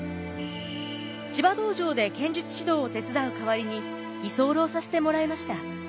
千葉道場で剣術指導を手伝う代わりに居候させてもらいました。